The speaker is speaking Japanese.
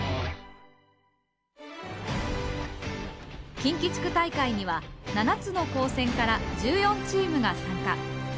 近畿地区大会には７つの高専から１４チームが参加。